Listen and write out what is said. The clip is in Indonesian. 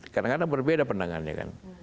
kadang kadang berbeda pandangannya kan